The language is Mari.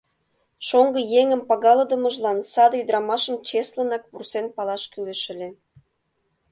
Шоҥго еҥым пагалыдымыжлан саде ӱдырамашым чеслынак вурсен палаш кӱлеш ыле.